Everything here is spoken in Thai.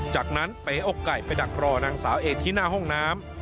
จากนั้นเป๋อกไก่ไปดักรอนางสาวเอกที่หน้าห้องน้ำ